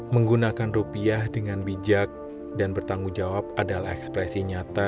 menggunakan rupiah dengan bijak dan bertanggung jawab adalah ekspresi nyata